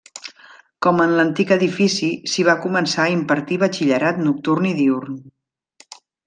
Com en l'antic edifici, s'hi va començar a impartir batxillerat nocturn i diürn.